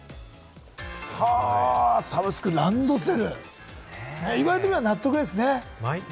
サブスクランドセル、言われてみれば納得ですね。